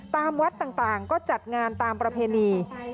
ตามวัดต่างก็จัดงานตามประเพณี